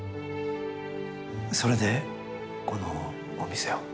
それでこのお店を？